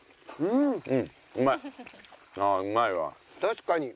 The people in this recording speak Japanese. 確かに。